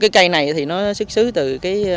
cây này thì nó xứt xứ từ người